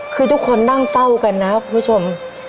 พอ๔๓วันครับ